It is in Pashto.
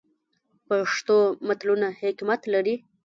پښتو متلونه حکمت لري